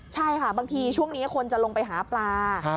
ใช่ค่ะบางทีช่วงนี้คนจะลงไปหาปลา